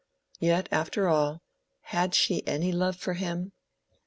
Yet, after all, had she any love for him?